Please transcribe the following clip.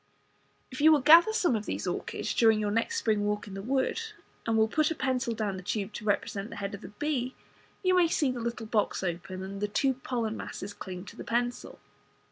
If you will gather some of these orchids during your next spring walk in the woods, and will put a pencil down the tube to represent the head of the bee you may see the little box open, and the two pollen masses cling to the pencil.